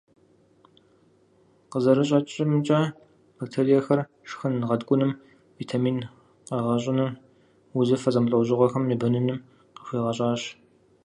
Къызэрыщӏэкӏымкӏэ, бактериехэр шхын гъэткӏуным, витамин къэгъэщӏыным, узыфэ зэмылӏэужьыгъуэхэм ебэныным къыхуигъэщӏащ.